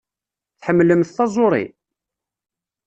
Tḥemmlemt taẓuṛi?